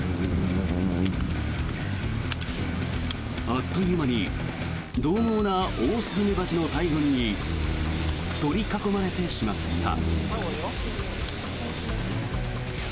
あっという間にどう猛なオオスズメバチの大群に取り囲まれてしまった。